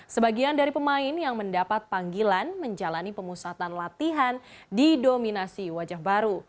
sebagian dari pemain yang mendapat panggilan menjalani pemusatan latihan didominasi wajah baru